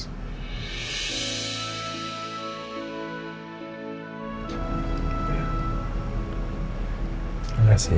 terima kasih ya